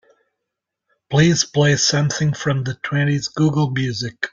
Please play something from the twenties google music